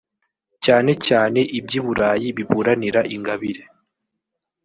cyane cyane iby’i Burayi biburanira Ingabire